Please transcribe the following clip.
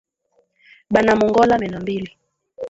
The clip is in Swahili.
Bana mu ngola meno mbili